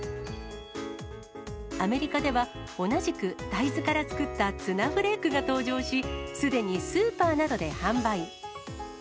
アメリカでは、同じく大豆から作ったツナフレークが登場し、すでにスーパーなどで販売。